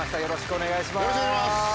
よろしくお願いします。